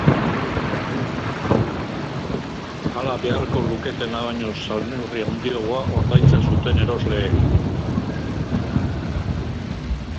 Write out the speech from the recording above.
Hala, beharko luketena baino salneurri handiagoa ordaintzen zuten erosleek.